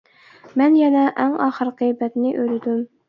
مەن يەنە ئەڭ ئاخىرقى بەتنى ئۆرۈدۈم.